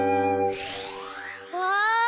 わあ！